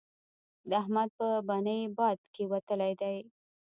د احمد په بنۍ باد کېوتلی دی.